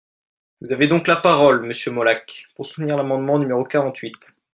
Vous avez donc la parole, monsieur Molac, pour soutenir l’amendement numéro quarante-huit.